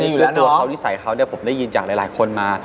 อยู่แล้วตัวเขานิสัยเขาเนี่ยผมได้ยินจากหลายคนมา